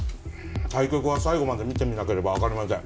対局は最後まで見てみなければわかりません。